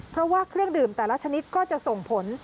เพราะว่าเครื่องดื่มแต่ละชนิดก็จะส่งผล